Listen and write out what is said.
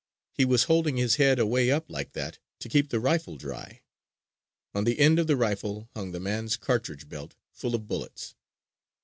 He was holding his head away up like that to keep the rifle dry. On the end of the rifle hung the man's cartridge belt, full of bullets.